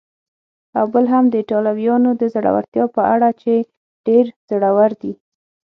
او بل هم د ایټالویانو د زړورتیا په اړه چې ډېر زړور دي.